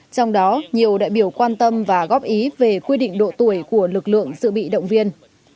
trong đó nhiều đại biểu quan tâm và góp ý về quy định độ tuổi của lực lượng dự bị động viên